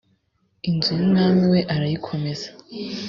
inzu y umwami we arayikomeza